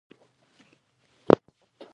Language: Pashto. د ورزش کول بدن قوي ساتي.